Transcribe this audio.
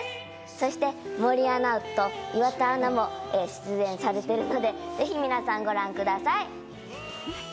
そして森アナと岩田アナも出演されているので、ぜひ皆さんご覧ください。